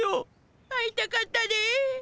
会いたかったで。